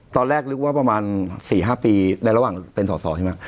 ตอนแรกนึกว่าประมาณ๔๕ปีในระหว่างเป็นสอสอใช่ไหม